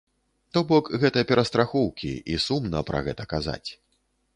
То бок гэта перастрахоўкі і сумна пра гэта казаць.